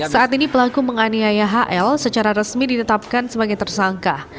saat ini pelaku menganiaya hl secara resmi ditetapkan sebagai tersangka